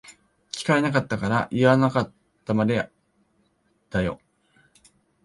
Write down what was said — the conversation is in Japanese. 聞かれなかったから言わなかったまでだよ。